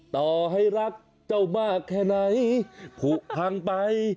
ต่อให้รักเจ้ามากแค่ไหนผูกพังไป